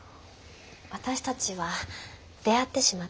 私たちは出会ってしまったんです。